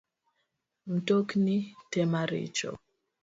Mtokni te maricho